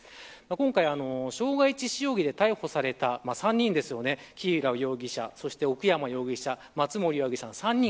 今回、傷害致死容疑で逮捕された３人ですが木浦容疑者、奥山容疑者松森容疑者の３人。